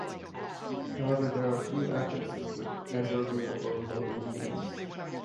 However, there are few affixes with adverbial or modal meanings.